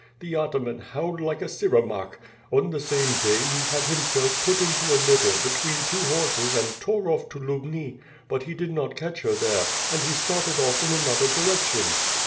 The ataman howled like a siromakh. On the same day, he had himself put into a litter, between two horses and tore off to Lubni, but he did not catch her there, and he started off in another direction."